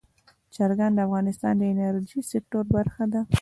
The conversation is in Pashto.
چرګان د افغانستان د انرژۍ سکتور برخه ده.